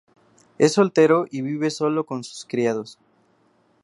Es soltero y vive solo con sus criados.